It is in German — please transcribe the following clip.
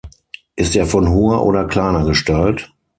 Ist er von hoher oder kleiner Gestalt?